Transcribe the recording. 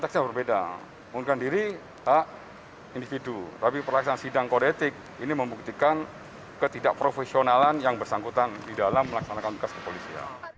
sidang ini berkaitan dengan ketidakprofesionalan yang bersangkutan di dalam melaksanakan kasus kepolisian